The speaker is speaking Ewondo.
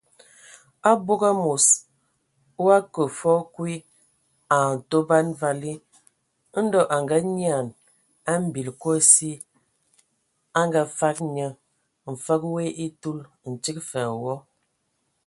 Abog amos o akə fɔɔ kwi a Ntoban vali, Ndɔ a nganyian a mbil Kosi a ngafag nye, mfəg woe a etul, ntig fa a wɔ.